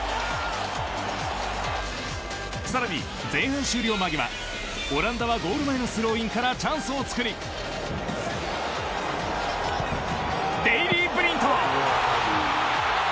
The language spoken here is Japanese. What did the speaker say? さらに前半終了間際オランダはゴール前のスローインからチャンスをつくりデイリーブリント。